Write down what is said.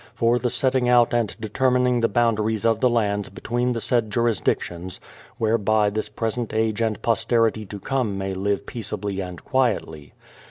for the setting out and de termining the boundaries of the lands between the said jurisdic tions, whereby this present age and posterity to come may live peaceably and quietly.